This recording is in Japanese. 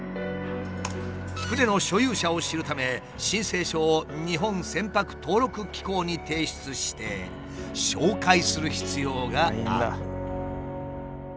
船の所有者を知るため申請書を日本船舶登録機構に提出して照会する必要がある。